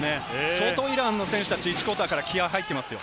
相当イランの選手達、１クオーターから気合が入っていましたよ。